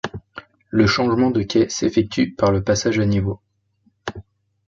Le changement de quai s'effectue par le passage à niveau.